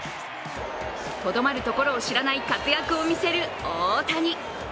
とどまるところを知らない活躍を見せる大谷。